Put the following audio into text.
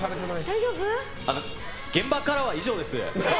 現場からは以上です。